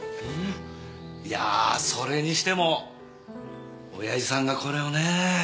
いやあそれにしても親父さんがこれをねえ。